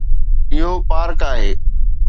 اهو پارڪ آهي